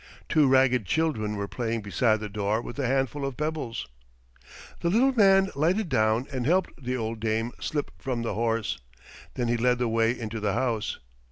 Two ragged children were playing beside the door with a handful of pebbles. The little man lighted down and helped the old dame slip from the horse; then he led the way into the house.